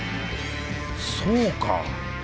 そうか！